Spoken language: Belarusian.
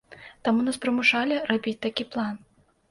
Таму нас прымушалі рабіць такі план.